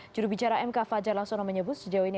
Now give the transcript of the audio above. jurubicara mk fajar laksono menyebut sejauh ini